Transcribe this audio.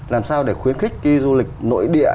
làm sao để khuyến khích du lịch nội địa